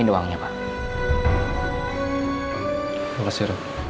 ini uangnya pak